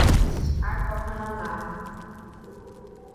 আর কখনোও না।